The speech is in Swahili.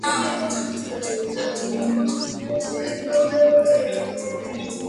Sikuhofu kamwe Hali ilionekana kuwa sawa kabisa